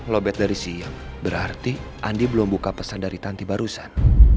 lobet dari siang berarti andi belum buka pesan dari tanti barusan